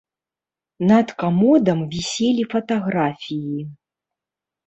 Над камодам віселі фатаграфіі.